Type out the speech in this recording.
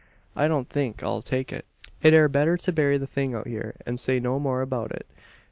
I don't think I'll take it. It air better to bury the thing out hyur, an say no more abeout it.